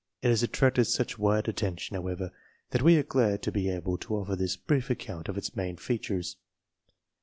It has attracted such wide attention, however, that we are glad to be able to offer this brief account of its main features.